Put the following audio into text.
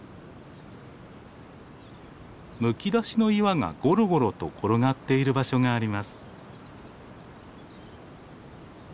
むき出しの岩がゴロゴロと転がっている場所があります。